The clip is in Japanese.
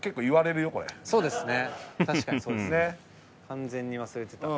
完全に忘れてた。